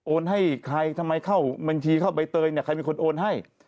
โอนให้ใครทำไมเข้าบัญชีเข้าใบเตยใครมีคนโอนให้